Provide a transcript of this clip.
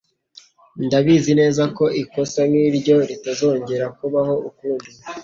Ndabizeza ko ikosa nkiryo ritazongera kubaho ukundi